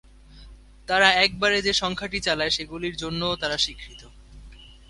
তারা একবারে যে সংখ্যাটি চালায় সেগুলির জন্যও তারা স্বীকৃত।